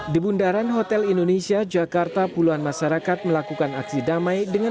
di bundaran hotel indonesia jakarta puluhan masyarakat melakukan aksi damai dengan